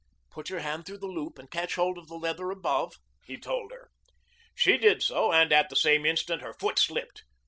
"Put your hand through the loop and catch hold of the leather above," he told her. She did so, and at the same instant her foot slipped.